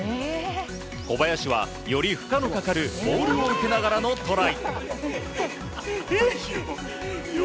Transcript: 小林はより負荷のかかるボールを持ちながらのトライ。